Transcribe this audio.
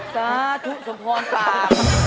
สาธุสุภาษา